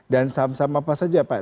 dan saham saham apa saja pak